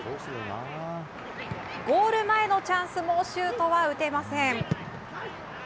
ゴール前のチャンスもシュートは打てません。